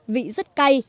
vị rất cay